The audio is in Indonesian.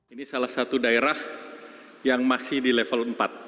ini salah satu daerah yang masih di level empat